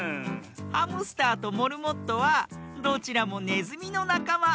ハムスターとモルモットはどちらもネズミのなかま。